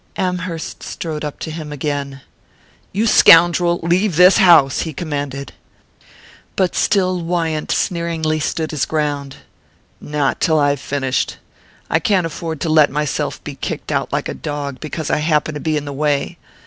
Amherst strode up to him again. "You scoundrel leave the house!" he commanded. But still Wyant sneeringly stood his ground. "Not till I've finished. I can't afford to let myself be kicked out like a dog because I happen to be in the way.